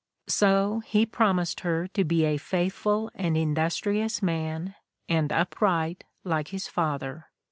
So he promised her to be a faithful and industrious man, and upright, like his father.